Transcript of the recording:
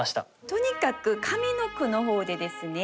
とにかく上の句の方でですね